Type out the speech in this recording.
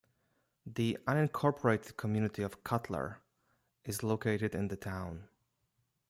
The unincorporated community of Cutler is located in the town.